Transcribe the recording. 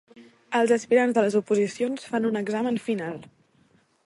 Els aspirants de les oposicions fan un examen final.